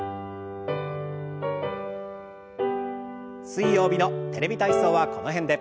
水曜日の「テレビ体操」はこの辺で。